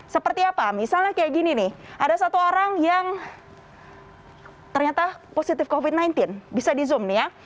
seperti apa misalnya kayak gini nih ada satu orang yang ternyata positif covid sembilan belas bisa di zoom nih ya